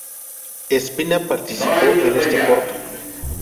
Espina participó en este corto.